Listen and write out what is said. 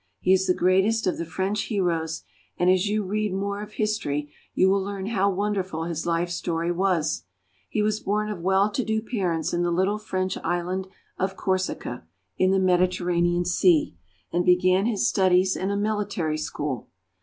He is the greatest of the French heroes, and as you read more of history you will learn how wonderful his life story was. He was born of well to do parents in the little French island of Corsica, in the Mediterranean Sea, and began his studies in a military school.